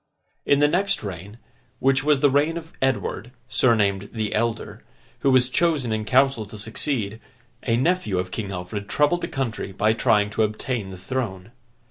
In the next reign, which was the reign of Edward, surnamed The Elder, who was chosen in council to succeed, a nephew of King Alfred troubled the country by trying to obtain the throne.